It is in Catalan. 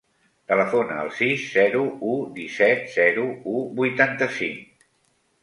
Telefona al sis, zero, u, disset, zero, u, vuitanta-cinc.